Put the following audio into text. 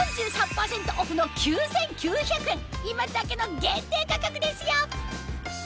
今だけの限定価格ですよ！